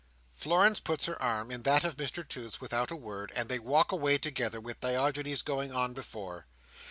Florence puts her arm in that of Mr Toots without a word, and they walk away together, with Diogenes going on before.